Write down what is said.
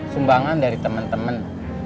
sumbangan dari temen temen